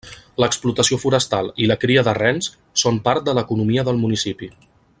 L'explotació forestal i la cria de rens són part de l'economia del municipi.